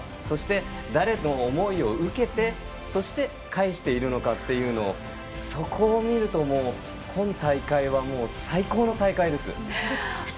そして誰の思いを受けてそして、返しているのかというそこを見ると、今大会はもう最高の大会です。